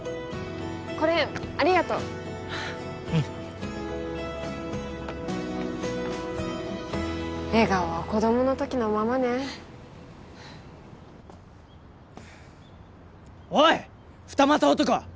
これありがとううん笑顔は子供のときのままねおい二股男！